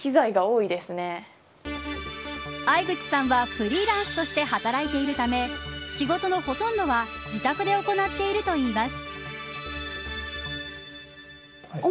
藍口さんはフリーランスとして働いているため仕事のほとんどは自宅で行っているといいます。